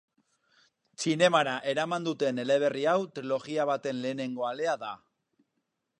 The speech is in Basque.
Zinemara eraman duten eleberri hau trilogia baten lehenengo alea da.